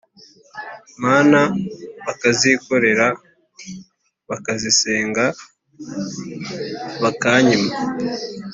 mana bakazikorera bakazisenga bakanyima